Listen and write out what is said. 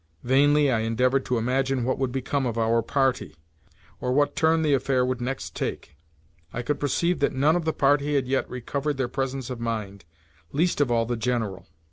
Vainly I endeavoured to imagine what would become of our party, or what turn the affair would next take. I could perceive that none of the party had yet recovered their presence of mind—least of all the General.